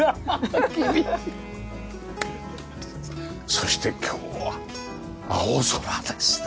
そして今日は青空ですね。